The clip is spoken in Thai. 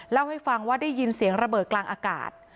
เล่าให้ฟังว่าได้ยินเสียงระเบิดกลางอากาศ